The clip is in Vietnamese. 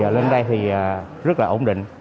lên đây thì rất là ổn định